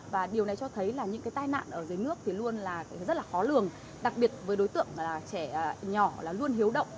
và điều này cho thấy là những cái tai nạn ở dưới nước thì luôn là rất là khó lường đặc biệt với đối tượng là trẻ nhỏ là luôn hiếu động